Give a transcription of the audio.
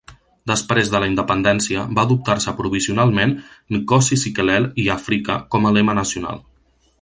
Després de la independència va adoptar-se provisionalment "Nkosi Sikelel' iAfrika" com a lema nacional.